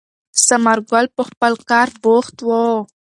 ثمر ګل په خپل کار بوخت و.